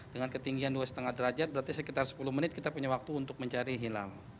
dengan ketinggian dua lima derajat berarti sekitar sepuluh menit kita punya waktu untuk mencari hilang